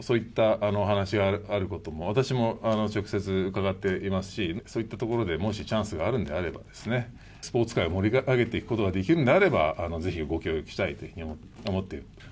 そういったお話があることも、私も直接伺っていますし、そういったところでもしチャンスがあるのであれば、スポーツ界を盛り上げていくことができるんであれば、ぜひご協力したいというふうに思っています。